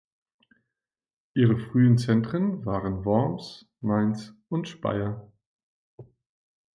Ihre frühen Zentren waren Worms, Mainz und Speyer.